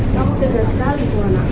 kamu tegas sekali tuhan